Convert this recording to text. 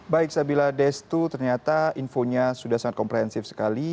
baik sabila destu ternyata infonya sudah sangat komprehensif sekali